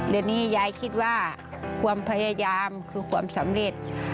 เดี๋ยวนี้ยายคิดว่าความพยายามคือความสำเร็จ